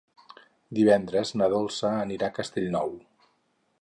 Divendres na Dolça anirà a Castellnou.